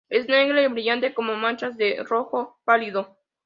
Es negra y brillante, con manchas de un rojo pálido.